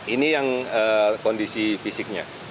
ini yang kondisi fisiknya